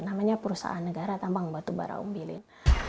namanya perusahaan negara tambang batu bara ombilin